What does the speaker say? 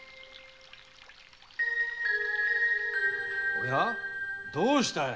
おやどうしたい？